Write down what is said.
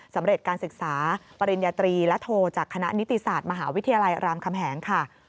สำเร็จการศึกษาปริญญาตรีและโทจากคณะนิติศาสตร์มหาวิทยาลัยรามคำแหงค่ะ